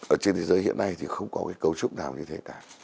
ở trên thế giới hiện nay thì không có cái cấu trúc nào như thế cả